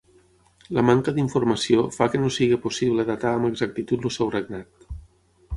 La manca d'informació fa que no sigui possible datar amb exactitud el seu regnat.